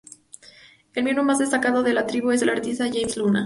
El miembro más destacado de la tribu es el artista James Luna.